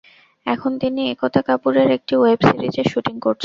এখন তিনি একতা কাপুরের একটি ওয়েব সিরিজের শুটিং করছেন।